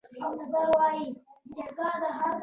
علي په دوه میاشتو کې د کور موټر کنډ کپر کړی دی.